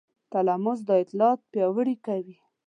تلاموس دا اطلاعات پیاوړي کوي.